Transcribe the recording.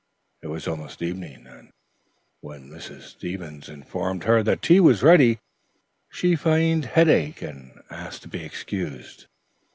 It was almost evening, and when Mrs. Stevens informed her that tea was ready, she feigned headache and asked to be excused.